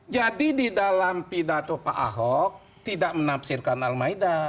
jadi di dalam pidato pak ahok tidak menafsirkan al ma'idah